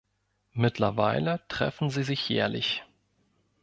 Mittlerweile treffen sie sich jährlich.